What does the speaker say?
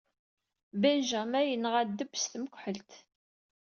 Benjamin yenɣa ddeb s tmukḥelt.